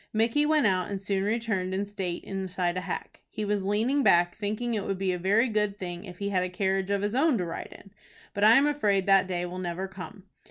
Micky went out, and soon returned in state inside a hack. He was leaning back, thinking it would be a very good thing if he had a carriage of his own to ride in. But I am afraid that day will never come.